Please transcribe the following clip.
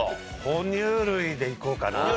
ほ乳類でいこうかな。